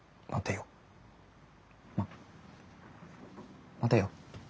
ま待てよ。